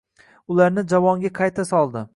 Ularni javonga qayta soldi